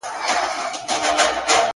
په دربار کي یوه لویه هنګامه وه-